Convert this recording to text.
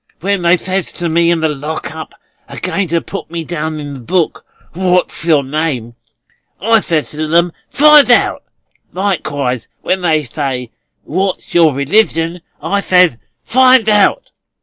When they says to me in the Lock up, a going to put me down in the book, 'What's your name?' I says to them, 'Find out.' Likewise when they says, 'What's your religion?' I says, 'Find out.